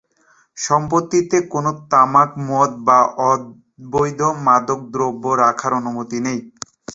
সম্পত্তিতে কোন তামাক, মদ বা অবৈধ মাদকদ্রব্য রাখার অনুমতি নেই।